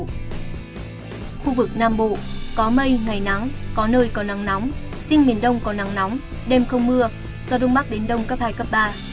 khu vực nam bộ có mây ngày nắng có nơi có nắng nóng riêng miền đông có nắng nóng đêm không mưa gió đông bắc đến đông cấp hai cấp ba